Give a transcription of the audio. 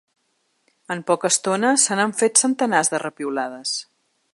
En poca estona se n’han fet centenars de repiulades.